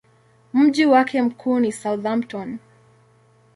Mji wake mkuu ni Southampton.